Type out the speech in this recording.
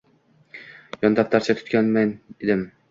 Yndaftarcha tutganmen edim.